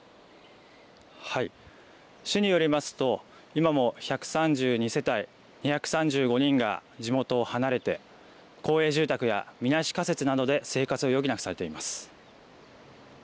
市によりますと、今も１３２世帯２３５人が地元を離れて、公営住宅やみなし仮設などで生活を余儀なくされています。